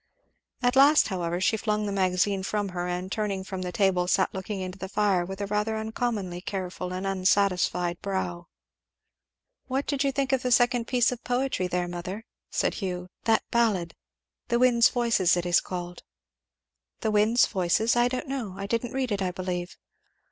At last, however, she flung the Magazine from her and turning from the table sat looking into the fire with a rather uncommonly careful and unsatisfied brow. "What did you think of the second piece of poetry there, mother?" said Hugh; "that ballad? 'The wind's voices' it is called." "'The wind's voices'? I don't know I didn't read it, I believe."